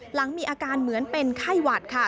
หลังมีอาการเหมือนเป็นไข้หวัดค่ะ